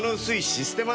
「システマ」